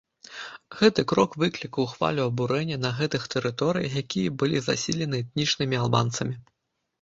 Гэты крок выклікаў хвалю абурэння на гэтых тэрыторыях, якія былі заселены этнічнымі албанцамі.